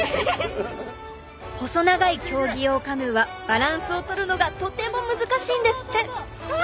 細長い競技用カヌーはバランスを取るのがとても難しいんですって。わ！